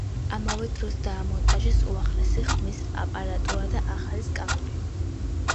ამავე დროს დაამონტაჟეს უახლესი ხმის აპარატურა და ახალი სკამები.